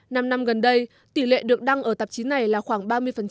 năm năm gần đây tỷ lệ được đăng ở tạp chí này là khoảng ba mươi